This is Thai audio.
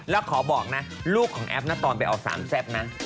แล้วขอบอกนะลูกของแอปนะตอนไปเอาสามแซ่บนะ